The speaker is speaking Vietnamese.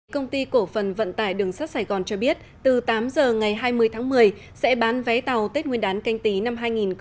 công ty cổ phần vận tải đường sắt sài gòn cho biết từ tám giờ ngày hai mươi tháng một mươi sẽ bán vé tàu tết nguyên đán canh tí năm hai nghìn hai mươi